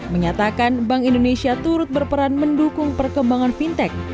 menyatakan bank indonesia turut berperan mendukung perkembangan fintech